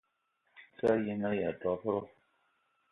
Za a yen-aya dob-ro?